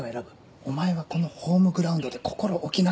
お前はこのホームグラウンドで心置きなく書けばいい。